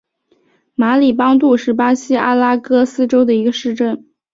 马里邦杜是巴西阿拉戈斯州的一个市镇。